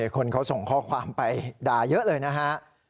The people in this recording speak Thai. คนเขาส่งข้อความไปด่าเยอะเลยนะฮะ